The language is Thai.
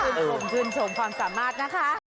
น่ารักค่ะคุณคุณชมความสามารถนะคะ